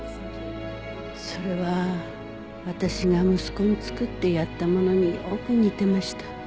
それは私が息子に作ってやったものによく似てました。